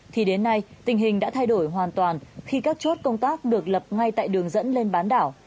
thì đến nay tình hình đã thay đổi hoàn toàn khi các chốt công tác được lập ngay tại đường dẫn lên bán đảo